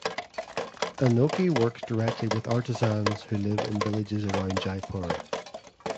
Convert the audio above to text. Anokhi works directly with artisans who live in villages around Jaipur.